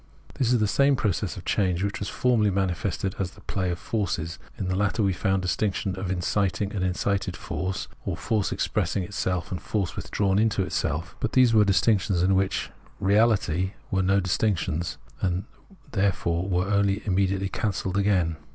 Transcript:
This is the same process of change which was formerly manifested as the play of forces. In the latter we found the distinction of inciting and incited force, or force expressing itself, and force with drawn into itself ; but these were distinctions which in reality were no distinctions, and therefore were also immediately cancelled again.